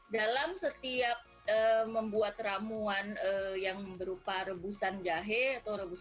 dalam setiap membuat ramuan yang berupa rebusan jahe